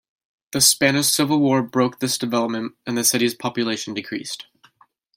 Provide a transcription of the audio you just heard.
The Spanish Civil War broke this development, and the city's population decreased.